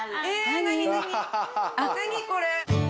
何これ。